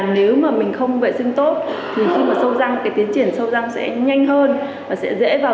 nếu mà mình không vệ sinh tốt thì khi mà sâu răng cái tiến triển sâu răng sẽ nhanh hơn và sẽ dễ vào